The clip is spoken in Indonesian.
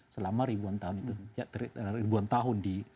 selama ribuan tahun